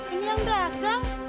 ini yang dagang